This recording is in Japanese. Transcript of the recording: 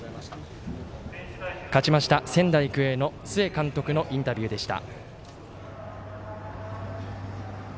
勝ちました、仙台育英の須江監督のインタビューでした。